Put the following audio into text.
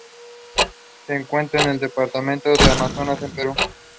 She chaired the Students Department of the National Federation of Music Clubs.